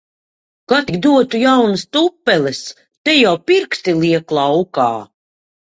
Ka tik dotu jaunas tupeles! Te jau pirksti liek laukā.